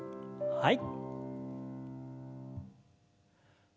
はい。